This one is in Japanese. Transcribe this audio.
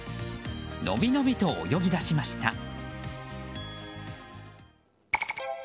のびのびと泳ぎ出しました。